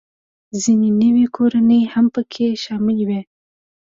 ځینې نوې کورنۍ هم پکې شاملې وې